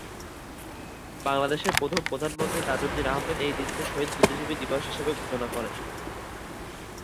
বাংলাদেশের প্রথম প্রধানমন্ত্রী তাজউদ্দিন আহমেদ এই দিনকে ‘শহীদ বুদ্ধিজীবী দিবস’ ঘোষণা করেন।